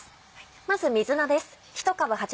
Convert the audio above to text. まず水菜です。